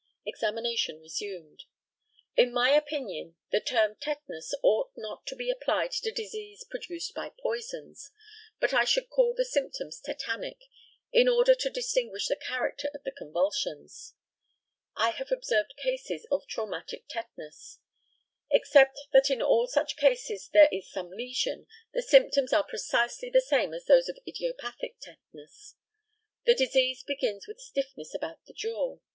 Examination resumed: In my opinion, the term "tetanus" ought not to be applied to disease produced by poisons; but I should call the symptoms tetanic, in order to distinguish the character of the convulsions. I have observed cases of traumatic tetanus. Except that in all such cases there is some lesion, the symptoms are precisely the same as those of idiopathic tetanus. The disease begins with stiffness about the jaw.